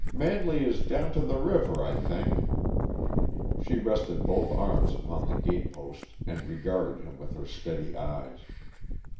"Manley is down to the river, I think." She rested both arms upon the gatepost and regarded him with her steady eyes.